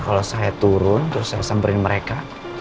kalau saya turun terus saya samperin mereka